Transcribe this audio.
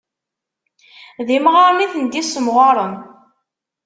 D imɣaren i tent-issemɣaren.